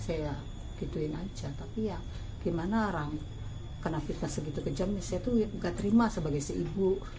saya gituin aja tapi ya gimana orang kena fitnah segitu kejam saya tuh gak terima sebagai si ibu